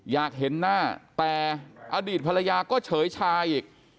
อยากเห็นหน้าแต่อดีตภรรยาก็เฉยชาอีก